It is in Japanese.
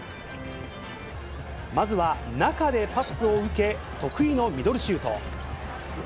まずは中でパスを受け、得意のミドルシュート。